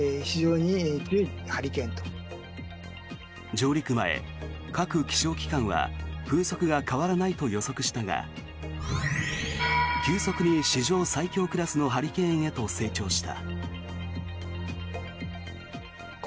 上陸前、各気象機関は風速が変わらないと予測したが急速に史上最強クラスのハリケーンへと成長した。